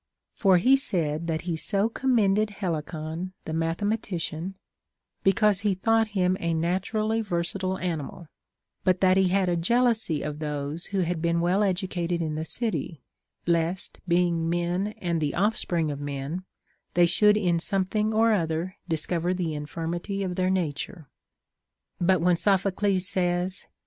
For he said that he so commended Helicon, the mathematician, because he thought him a naturally versa tile animal ; but that he had a jealousy of those who had been well educated in the city, lest, being men and the offspring of men, they should in something or other dis cover the infirmity of their nature. But when Sophocles says.